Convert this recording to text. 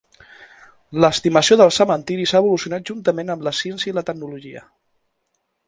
L'estimació dels cementiris ha evolucionat juntament amb la ciència i la tecnologia.